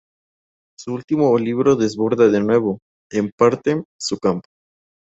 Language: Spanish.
Su último libro desborda de nuevo, en parte, su campo.